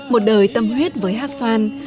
một đời tâm huyết với hát xoan